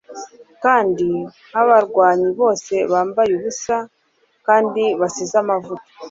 kandi nkabanywanyi bose bambaye ubusa kandi basize amavuta